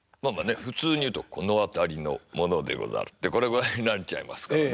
普通に言うと「この辺りの者でござる」ってこれぐらいになっちゃいますからね。